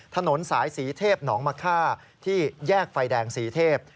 ถนนสายศรีเทพหนองมะค่าที่แยกไฟแดงศรีเทพ